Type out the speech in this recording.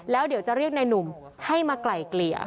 แล้วเดี๋ยวจะเรียกนายหนุ่มให้มาไกล่เกลี่ย